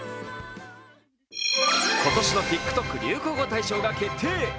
今年のＴｉｋＴｏｋ流行語大賞が決定。